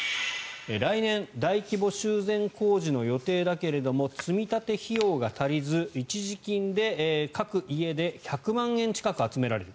来年、大規模修繕工事の予定だけれども積み立て費用が足りず一時金で各家で１００万円近く集められる。